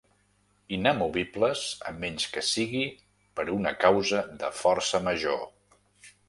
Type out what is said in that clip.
Inamovibles a menys que sigui per una causa de força major.